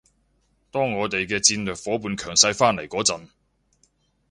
當我哋嘅戰略夥伴強勢返嚟嗰陣